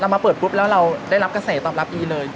มาเปิดปุ๊บแล้วเราได้รับกระแสตอบรับดีเลย